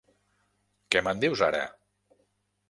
Què me'n dius ara?